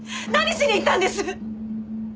何しに行ったんです？